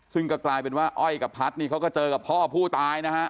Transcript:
ซึ่งก็กลายเป็นว่าอ้อยกับพัดนี่เขาก็เจอกับพ่อผู้ตายนะฮะ